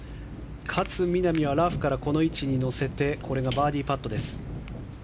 勝みなみはラフからこの位置に乗せてこれがバーディーパットです。